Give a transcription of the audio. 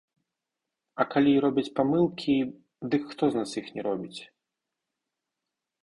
А калі і робяць памылкі, дык хто з нас іх не робіць?